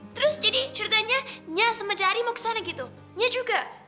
terus jadi ceritanya nyak sama jari mau ke sana gitu nyak juga